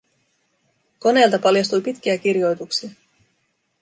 Koneelta paljastui pitkiä kirjoituksia.